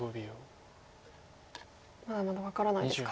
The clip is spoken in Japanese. まだまだ分からないですか。